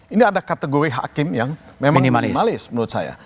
ini ada kategori hakim yang memang minimalis menurut saya